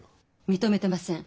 認めてません。